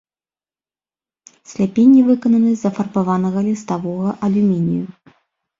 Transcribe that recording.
Скляпенні выкананы з афарбаванага ліставога алюмінію.